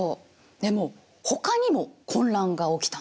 でもほかにも混乱が起きたの。